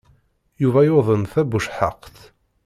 Yuba yuḍen tabucehhaqt.